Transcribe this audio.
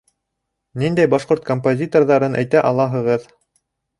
Ниндәй башҡорт композиторҙарын әйтә алаһығыҙ?